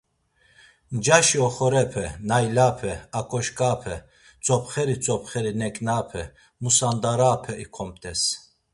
Ncaşi oxorepe, naylape, aǩoşkape, tzopxeri tzopxeri neǩnape, musandarape ikomt̆es.